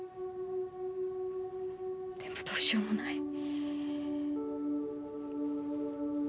でもどうしようもない。